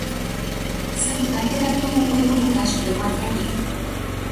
Sapy'ánte katu oipuruka chupe kuatiañe'ẽ.